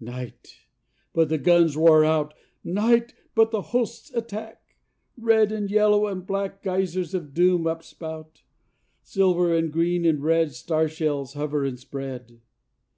Night! but the guns roar out. Night! but the hosts attack. Red and yellow and black Geysers of doom upspout. Silver and green and red Star shells hover and spread.